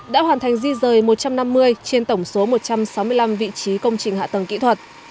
đã hoàn thành di rời một trăm năm mươi trên tổng số một trăm sáu mươi năm vị trí công trình hạ tầng kỹ thuật